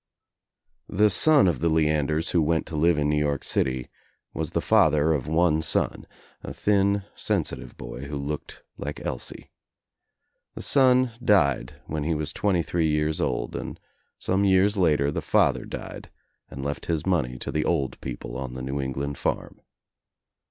The son of the Leanders who went to live in New York City was the father of one son, a thin sensitive boy who looked like Elsie. The son died when he was twenty three years old and some years later the father died and left his money to the old people on the New England farm.